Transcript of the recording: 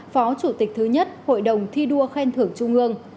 phó chủ tịch thứ nhất hội đồng thi đua khen thưởng trung ương